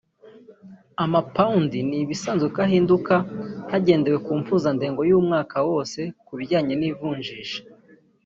ama-pound ni ibisanzwe ko ahinduka hagendewe ku mpuzandengo y’umwaka wose ku bijyanye n’ivunjisha